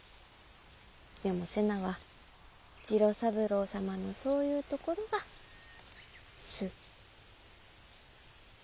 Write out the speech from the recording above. でも瀬名は次郎三郎様のそういうところが好。